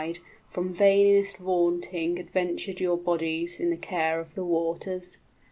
} From vainest vaunting adventured your bodies In care of the waters?